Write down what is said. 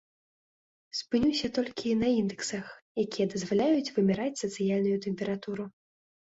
Спынюся толькі на індэксах, якія дазваляюць вымяраць сацыяльную тэмпературу.